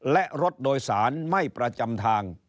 และรถโดยสารไม่ประจำทาง